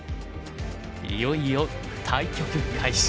いよいよ対局開始。